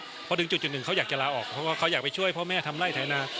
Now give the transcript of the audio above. เพราะถึงจุดหนึ่งเขาอยากจะลาออกเพราะว่าเขาอยากไปช่วยพ่อแม่ทำไล่ไถนา